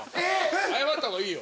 謝ったほうがいいよ。